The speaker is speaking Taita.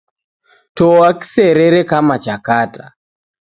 Toa kiserere kama cha kata